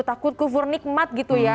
takut kevurnikmat gitu ya